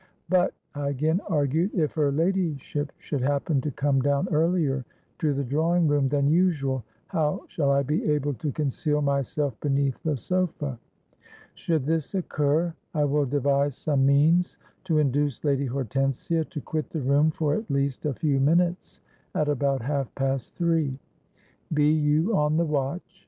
—'But,' I again argued, 'if her ladyship should happen to come down earlier to the drawing room than usual, how shall I be able to conceal myself beneath the sofa?'—'Should this occur, I will devise some means to induce Lady Hortensia to quit the room for at least a few minutes, at about half past three. Be you on the watch.'